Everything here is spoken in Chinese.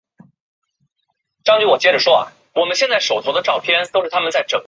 贵州天名精是菊科天名精属的植物。